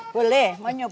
boleh mau nyoba